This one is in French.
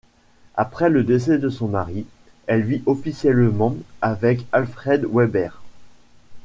Après le décès de son mari, elle vit officiellement avec Alfred Weber.